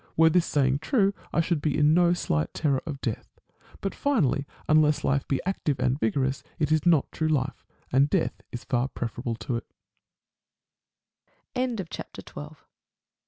Were this saying true, I should be in no slight terror of death. But finally, unless life be active and vigorous, it is not true life, and death is far preferable to